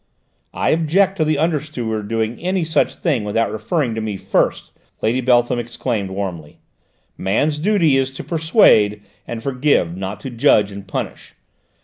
"I object to the under steward doing any such thing without referring to me first," Lady Beltham exclaimed warmly. "Man's duty is to persuade and forgive, not to judge and punish.